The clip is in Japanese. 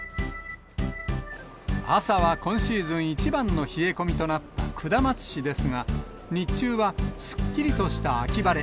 朝は今シーズン一番の冷え込みとなった下松市ですが、日中はすっきりとした秋晴れ。